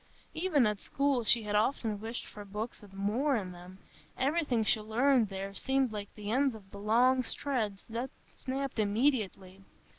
Even at school she had often wished for books with more in them; everything she learned there seemed like the ends of long threads that snapped immediately.